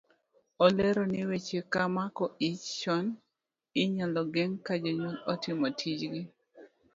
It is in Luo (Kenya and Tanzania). Olero ni weche ka mako ich chon inyalo geng' ka jonyuol otimo tijgi.